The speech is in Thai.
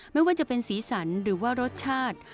ไม่ว่าจะเป็นสีสันหรือว่ารสชาติ